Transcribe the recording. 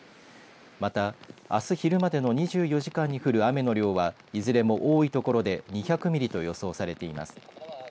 また、あす昼までの２４時間に降る雨の量はいずれも多い所で２００ミリと予想されています。